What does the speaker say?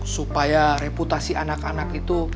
supaya reputasi anak anak itu